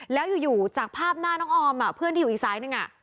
แล้วอยู่อยู่จากภาพหน้าน้องออมอ่ะเพื่อนที่อยู่อีกซ้ายนึงอ่ะ